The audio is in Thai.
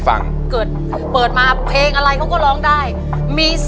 ยังไม่มีให้รักยังไม่มี